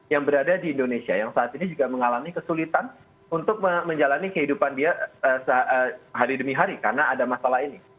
yang berada di indonesia yang saat ini juga mengalami kesulitan untuk menjalani kehidupan dia sehari hari demi hari karena ada masalah ini